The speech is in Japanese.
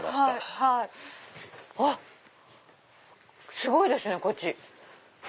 すごいですねこっち。